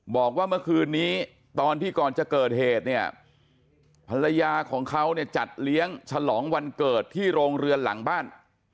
บอกว่าเมื่อคืนนี้ตอนที่ก่อนจะเกิดเหตุเนี่ยภรรยาของเขาเนี่ยจัดเลี้ยงฉลองวันเกิดที่โรงเรือนหลังบ้าน